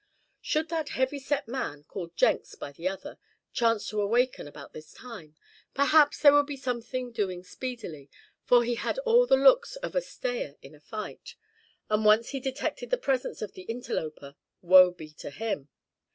Should that heavy set man, called Jenks by the other, chance to awaken about this time, perhaps there would be something doing speedily, for he had all the looks of a stayer in a fight, and once he detected the presence of the interloper, woe be to him.